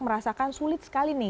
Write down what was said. merasakan sulit sekali nih